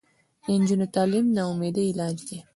د نجونو تعلیم د ناامیدۍ علاج دی.